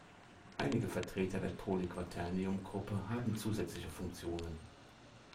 Einige Vertreter der Polyquaternium-Gruppe haben zusätzliche Funktionen.